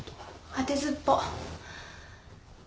あてずっぽ。